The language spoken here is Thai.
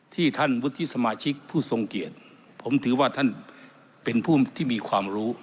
ที่ท่านวุฒิสมาชิกผู้ทรงเกียรติผมถือว่าท่านเป็นผู้ที่มีความรู้